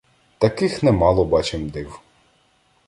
Таких немало бачим див!